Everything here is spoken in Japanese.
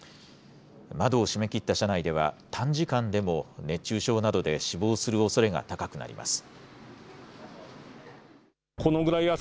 窓を閉めきった車内では、短時間でも熱中症などで死亡するおそれが高くなります。